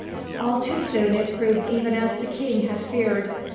All too soon it proved even as the King had feared.